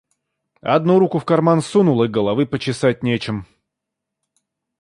Одну руку в карман сунул, и головы почесать нечем.